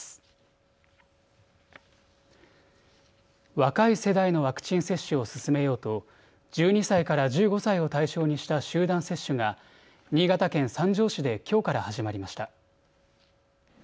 若い世代のワクチン接種を進めようと１２歳から１５歳を対象にした集団接種が新潟県三条市できょうから始まりました。